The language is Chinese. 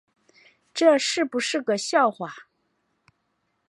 这是不是个笑话